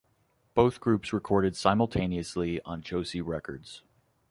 Both groups recorded simultaneously on Josie Records.